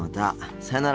さよなら。